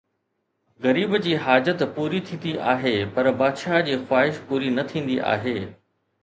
غريب جي حاجت پوري ٿيندي آهي پر بادشاهه جي خواهش پوري نه ٿيندي آهي